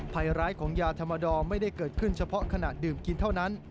ภัยร้ายของยาธรรมดอไม่ได้เกิดขึ้นเฉพาะขณะดื่มกินเท่านั้น